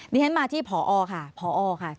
ฉันมาที่ผอค่ะผอค่ะ